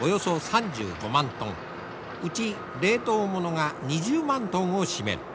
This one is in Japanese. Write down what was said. うち冷凍物が２０万トンを占める。